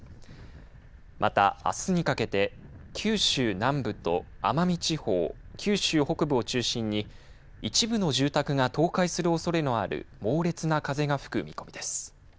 また、あすにかけて九州南部と奄美地方九州北部を中心に一部の住宅が倒壊するおそれのある猛烈な風が吹く見込みです。